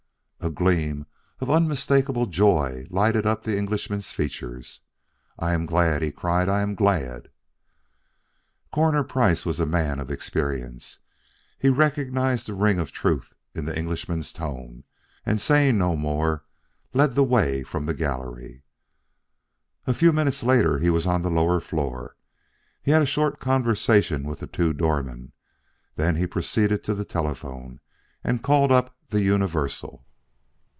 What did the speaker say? A gleam of unmistakable joy lighted up the Englishman's features. "I am glad," he cried. "I am glad." Coroner Price was a man of experience. He recognized the ring of truth in the Englishman's tones, and saying no more, led the way from the gallery. A few minutes later he was on the lower floor. He had a short conversation with the two doormen; then he proceeded to the telephone and called up the Universal.